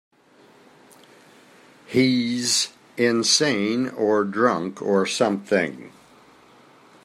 He's insane or drunk or something.